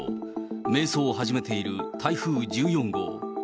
迷走を始めている台風１４号。